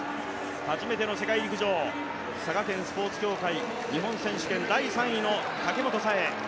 初めての世界陸上、佐賀県スポーツ協会、日本選手権第３位の武本紗栄。